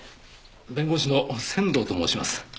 弁護士の千堂と申します。